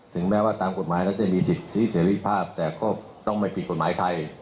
แม้ว่าตามกฎหมายแล้วจะมีสิทธิเสรีภาพแต่ก็ต้องไม่ผิดกฎหมายใคร